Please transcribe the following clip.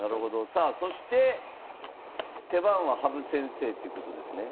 さあそして手番は羽生先生っていうことですね。